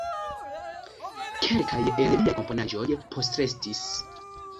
Kelkaj el liaj komponaĵoj postrestis.